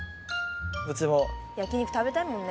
焼き肉食べたいもんね。